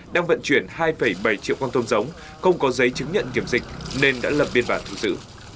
đang vận chuyển hai bảy triệu con tôm giống không có giấy chứng nhận kiểm dịch nên đã lập biên bản thu giữ